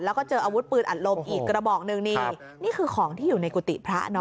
แล้วก็เจออาวุธปืนอัดลมอีกกระบอกหนึ่งนี่นี่คือของที่อยู่ในกุฏิพระเนอ